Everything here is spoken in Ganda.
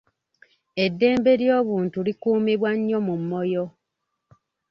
Eddembe ly'obuntu likuumibwa nnyo mu Moyo.